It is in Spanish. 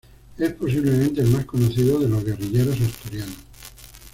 Es posiblemente el más conocido de los guerrilleros asturianos.